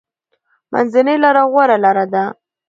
منځنۍ لاره غوره لاره ده.